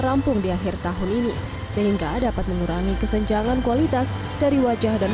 rampung di akhir tahun ini sehingga dapat mengurangi kesenjangan kualitas dari wajah dan